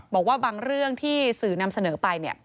บอกว่าบางเรื่องที่สื่อนำเสนอไป